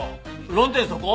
論点そこ？